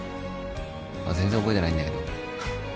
全然覚えてないんだけど。